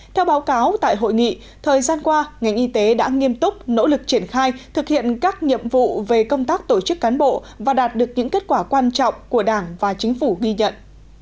theo báo cáo tại hội nghị thời gian qua ngành y tế đã nghiêm túc nỗ lực triển khai thực hiện các nhiệm vụ về công tác tổ chức cán bộ và đạt được những kết quả quan trọng của đảng và chính phủ ghi nhận